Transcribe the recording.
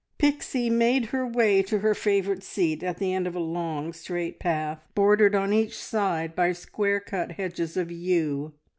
Pixie made her way to her favourite seat at the end of a long, straight path, bordered on each side by square cut hedges of yew.